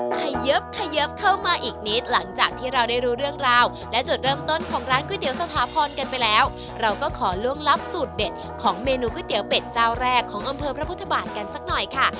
ขยิบขยิบเข้ามาอีกนิดหลังจากที่เราได้รู้เรื่องราวและจุดเริ่มต้นของร้านก๋วยเตี๋สถาพรกันไปแล้วเราก็ขอล่วงลับสูตรเด็ดของเมนูก๋วยเตี๋ยวเป็ดเจ้าแรกของอำเภอพระพุทธบาทกันสักหน่อยค่ะ